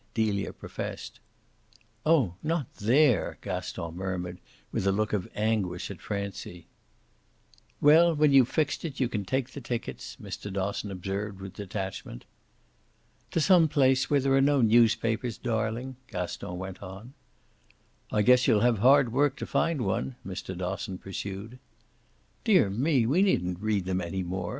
Delia professed. "Oh not THERE" Gaston murmured, with a look of anguish at Francie. "Well, when you've fixed it you can take the tickets," Mr. Dosson observed with detachment. "To some place where there are no newspapers, darling," Gaston went on. "I guess you'll have hard work to find one," Mr. Dosson pursued. "Dear me, we needn't read them any more.